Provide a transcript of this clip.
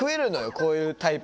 こういうタイプ。